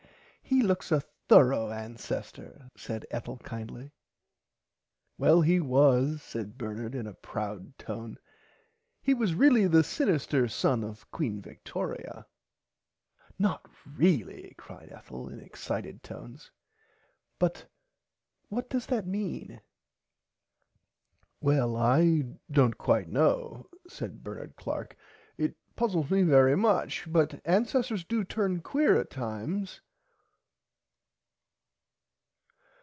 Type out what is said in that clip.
He looks a thourough ancester said Ethel kindly. Well he was said Bernard in a proud tone he was really the Sinister son of Queen Victoria. Not really cried Ethel in excited tones but what does that mean. Well I dont quite know said Bernard Clark it puzzles me very much but ancesters do turn quear at times.